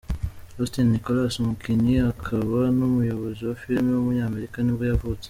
Austin Nichols, umukinnyi akaba n’umuyobozi wa filime w’umunyamerika ni bwo yavutse.